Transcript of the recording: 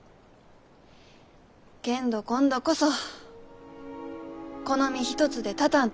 けんど今度こそこの身一つで立たんといかん。